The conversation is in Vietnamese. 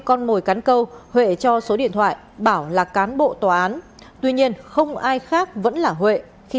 con mồi cắn câu huệ cho số điện thoại bảo là cán bộ tòa án tuy nhiên không ai khác vẫn là huệ khi